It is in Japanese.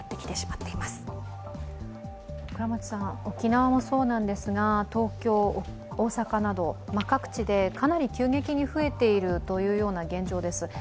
沖縄もそうなんですが、東京、大阪など各地でかなり急激に増えているというような現状です。